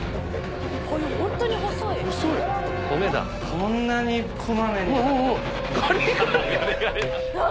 こんなに小まめに。